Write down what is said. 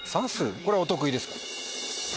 これはお得意ですから。